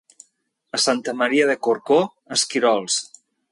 A Santa Maria de Corcó, esquirols.